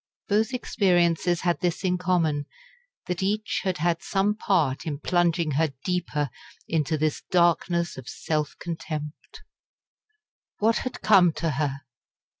Both experiences had this in common that each had had some part in plunging her deeper into this darkness of self contempt. What had come to her?